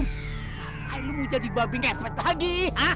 ngapain lo mau jadi babi ngepet lagi